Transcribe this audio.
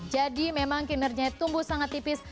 jadi memang kinerjanya tumbuh sangat tipis